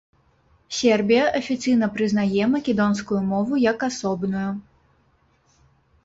Сербія афіцыйна прызнае македонскую мову як асобную.